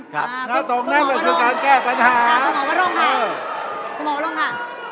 ครับแล้วตรงนั้นเป็นส่วนการแก้ปัญหาคุณหมอวร่องค่ะคุณหมอวร่องค่ะ